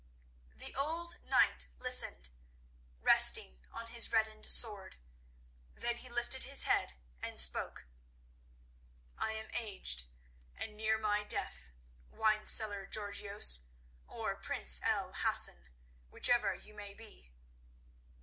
The old knight listened, resting on his reddened sword; then he lifted his head, and spoke: "I am aged and near my death, wine seller Georgios, or prince El Hassan, whichever you may be.